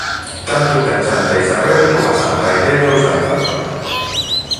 Tanto ten Santa Isabel coma Santa Irene ou Santa Apolónia.